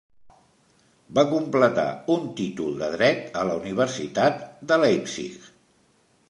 Va completar un títol de dret a la Universitat de Leipzig.